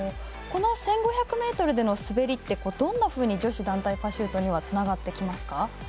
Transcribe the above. この１５００ｍでの滑りはどんなふうに女子団体パシュートにはつながってきますか？